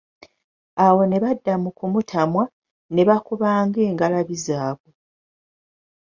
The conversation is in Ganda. Awo ne badda mu kumutamwa, ne bakubanga engalabi zaabwe.